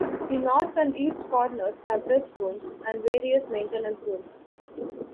The north and east corners have restrooms and various maintenance rooms.